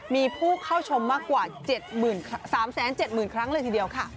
มีผู้เข้าชมมากกว่า๓๗๐๐ครั้งเลยทีเดียวค่ะ